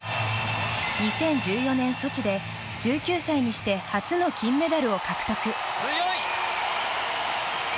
２０１４年、ソチで１９歳にして初の金メダルを獲得。